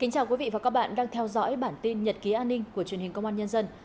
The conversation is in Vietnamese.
chào mừng quý vị đến với bản tin nhật ký an ninh của truyền hình công an nhân dân